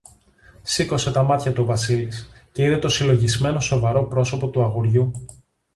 Σήκωσε τα μάτια του ο Βασίλης, και είδε το συλλογισμένο σοβαρό πρόσωπο του αγοριού